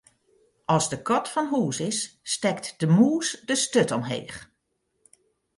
As de kat fan hús is, stekt de mûs de sturt omheech.